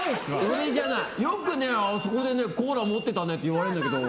よくあそこでコーラ持ってたねって言われるんだけど。